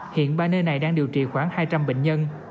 hiện ba nơi này đang điều trị khoảng hai trăm linh bệnh nhân